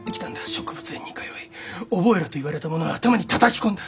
植物園に通い「覚えろ」と言われたものは頭にたたき込んだ！